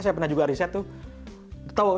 saya pernah juga riset tuh tau